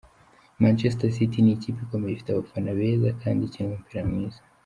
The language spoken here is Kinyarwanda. Manchester City n’ikipe ikomeye ifite abafana beza kandi ikina umupira mwiza.